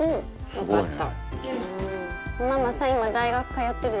よかった。